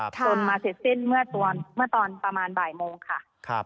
จนมาเสร็จสิ้นเมื่อตอนประมาณบ่ายโมงค่ะ